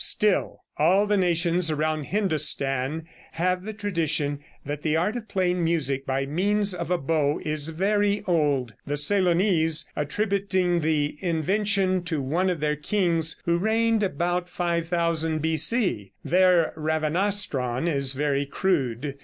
Still, all the nations around Hindostan have the tradition that the art of playing music by means of a bow is very old, the Ceylonese attributing the invention to one of their kings who reigned about 5000 B.C. Their ravanastron is very crude.